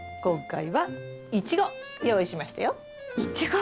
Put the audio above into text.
今回はイチゴ用意しましたよ。